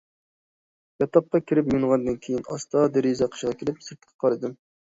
ياتاققا كىرىپ يۇيۇنغاندىن كېيىن، ئاستا دېرىزە قېشىغا كېلىپ، سىرتقا قارىدىم.